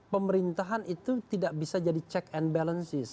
pemerintahan itu tidak bisa jadi check and balances